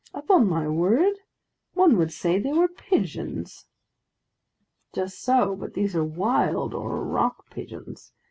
"Upon my word, one would say they were pigeons!" "Just so, but these are wild or rock pigeons.